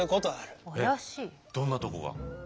どんなとこが？